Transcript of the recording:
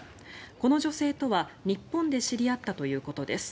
この女性とは日本で知り合ったということです。